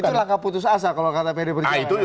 itu langkah putus asa kalau kata pd perjuangan